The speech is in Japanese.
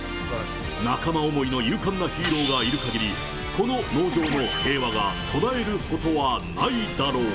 仲間思いの勇敢なヒーローがいるかぎり、この農場の平和は途絶えることはないだろう。